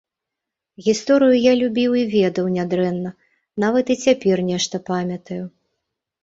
Гісторыю я любіў і ведаў нядрэнна, нават і цяпер нешта памятаю.